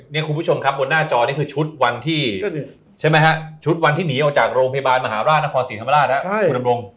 นี่คุณผู้ชมครับบนหน้าจอนี่คือชุดวันที่หนีออกจากโรงพยาบาลมหาราชอศิษย์ธรรมราชครับคุณลำรง